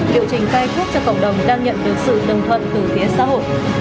điều trình khai thúc cho cộng đồng đang nhận được sự đồng thuận từ phía xã hội